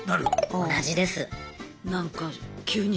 同じです。